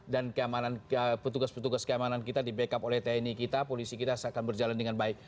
keamanan petugas petugas keamanan kita di backup oleh tni kita polisi kita akan berjalan dengan baik